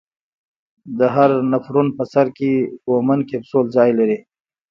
د هر نفرون په سر کې بومن کپسول ځای لري.